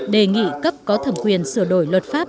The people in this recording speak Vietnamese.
đề nghị cấp có thẩm quyền sửa đổi luật pháp